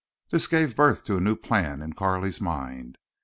This gave birth to a new plan in Carley's mind.